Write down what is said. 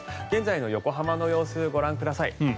現在の横浜の様子ご覧ください。